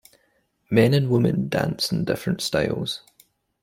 Men and women dance in different styles.